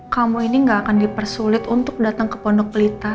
kamu ini gak akan dipersulit untuk datang ke pondok pelita